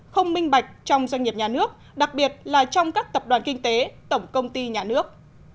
không minh bạch trong doanh nghiệp nhà nước đặc biệt là trong các tập đoàn kinh tế tổng công ty nhà nước